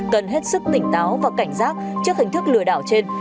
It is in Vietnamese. cần hết sức tỉnh táo và cảnh giác trước hình thức lừa đảo trên